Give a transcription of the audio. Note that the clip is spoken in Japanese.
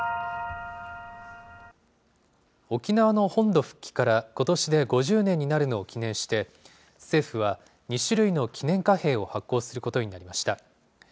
沖縄の本土復帰からことしで５０年になるのを記念して、政府は、２種類の記念貨幣を発行することになりました。